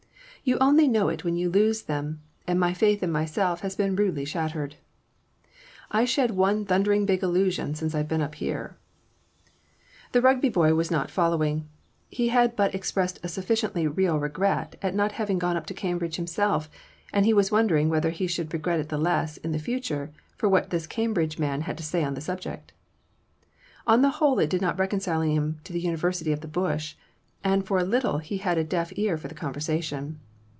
You only know it when you lose them, and my faith in myself has been rudely shattered. I've shed one thundering big illusion since I've been up here." The Rugby boy was not following; he had but expressed a sufficiently real regret at not having gone up to Cambridge himself; and he was wondering whether he should regret it the less in future for what this Cambridge man had to say upon the subject. On the whole it did not reconcile him to the university of the bush, and for a little he had a deaf ear for the conversation.